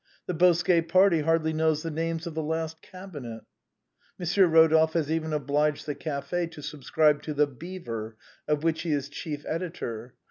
The Bosquet party hardly knows the names of the last cabinet. " Monsieur Eodolphe has even obliged the café to sub scribe to ' The Beaver,' of which he is chief editor.